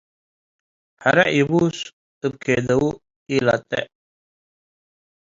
ሐሬፅ ይቡስ እብ ኬደው ኢለጥእ።